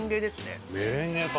富澤：メレンゲか。